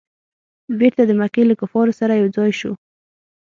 بیرته د مکې له کفارو سره یو ځای سو.